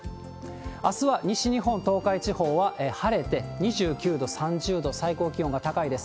あすは西日本、東海地方は晴れて２９度、３０度、最高気温が高いです。